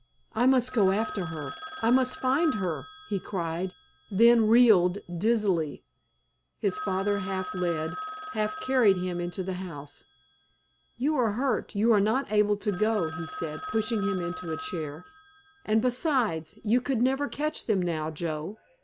"I must go after her—I must find her," he cried, then reeled dizzily. His father half led, half carried him into the house. "You are hurt—you are not able to go," he said, pushing him into a chair. "And besides, you could never catch them now, Joe.